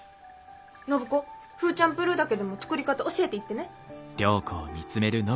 暢子フーチャンプルーだけでも作り方教えていってね。